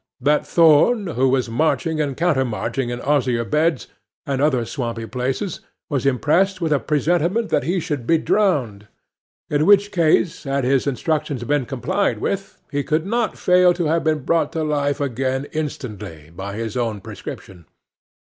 That Thorn, who was marching and countermarching in osier beds, and other swampy places, was impressed with a presentiment that he should be drowned; in which case, had his instructions been complied with, he could not fail to have been brought to life again instantly by his own prescription.